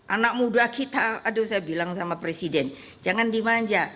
anak muda kita aduh saya bilang sama presiden jangan dimanja